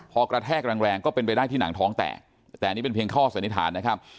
พอกระแทกแรงแรงก็เป็นไปได้ที่หนังท้องแตกแต่อันนี้เป็นเพียงข้อสันนิษฐานนะครับ